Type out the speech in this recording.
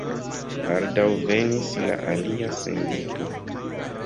Baldaŭ venis la alia sendito.